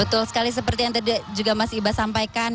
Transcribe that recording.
betul sekali seperti yang tadi juga mas iba sampaikan